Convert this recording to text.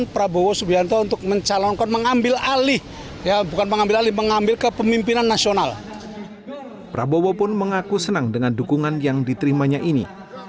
prabowo pun mengaku senang dengan dukungan yang diterimanya ini